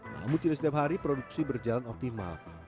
namun tidak setiap hari produksi berjalan optimal